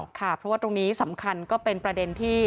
เดี่ยวกับตรงนี้สำคัญก็เป็นประเด็นที่